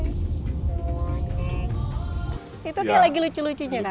itu kayak lagi lucu lucu ya kang